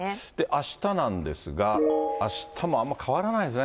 あしたなんですが、あしたもあんま変わらないですね。